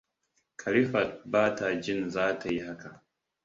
Khalifat ba ta jin zata yi haka.